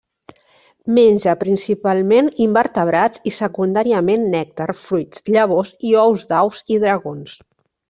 Menja principalment invertebrats i, secundàriament, nèctar, fruits, llavors i ous d'aus i dragons.